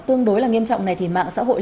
tương đối là nghiêm trọng này thì mạng xã hội